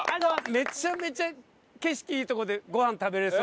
めちゃめちゃ景色いい所でごはん食べられそう。